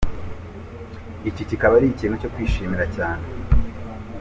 Iki kikaba ari ikintu cyo kwishimira cyane!